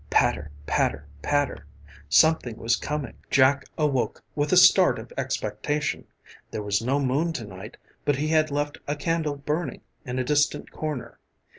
Patter, patter, patter, something was coming. Jack awoke with a start of expectation. There was no moon tonight, but he had left a candle burning in a distant corner.